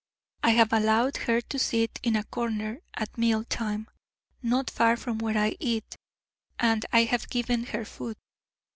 I have allowed her to sit in a corner at meal time, not far from where I eat, and I have given her food.